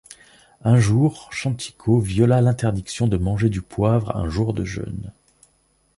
Un jour Chantico viola l'interdiction de manger du poivre un jour de jeûne.